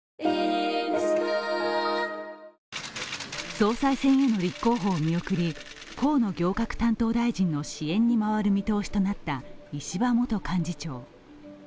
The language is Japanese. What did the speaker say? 総裁選への立候補を見送り、河野行革担当大臣の支援に回る見通しとなった石破元幹事長。